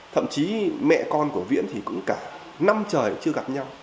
thậm chí mẹ con của viễn thì cũng cả năm trời chưa gặp nhau